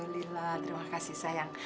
alhamdulillah terima kasih sayang